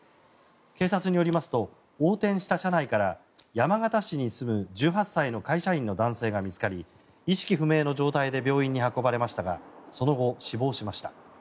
警察によりますと横転した車内から山形市に住む１８歳の会社員の男性が見つかり意識不明の状態で病院に運ばれましたがその後、死亡しました。